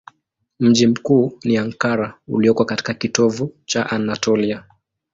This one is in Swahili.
Mji mkuu ni Ankara ulioko katika kitovu cha Anatolia.